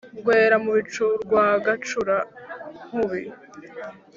Rwera-mu-bicu rwa Gacura-nkumbi,